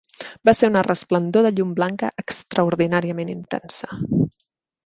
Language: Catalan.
Va ser una "resplendor de llum blanca" extraordinàriament intensa.